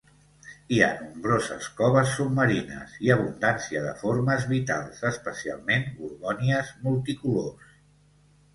Hi ha nombroses coves submarines i abundància de formes vitals, especialment gorgònies multicolors.